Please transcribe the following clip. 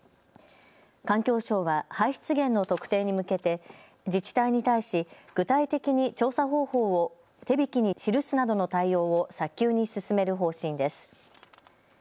環境省は排出源の特定に向けて自治体に対し具体的に調査方法を手引に記すなどの対応を早急に進める方針です。